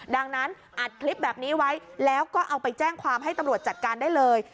ดังนั้นอัดคลิปแบบนี้ไว้แล้วก็เอาไปแจ้งความให้ตำรวจจัดการได้เลย